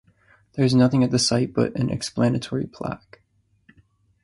There is nothing at the site but an explanatory plaque.